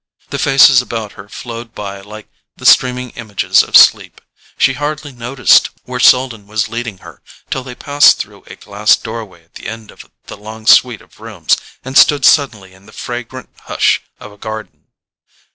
The faces about her flowed by like the streaming images of sleep: she hardly noticed where Selden was leading her, till they passed through a glass doorway at the end of the long suite of rooms and stood suddenly in the fragrant hush of a garden.